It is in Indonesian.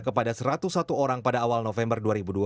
kepada satu ratus satu orang pada awal november dua ribu dua puluh